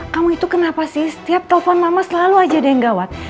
kamu itu kenapa sih setiap telepon mama selalu aja ada yang gawat